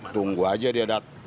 tunggu aja dia datang